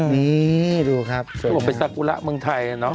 นี่ดูครับเขาบอกเป็นสากุระเมืองไทยเนอะ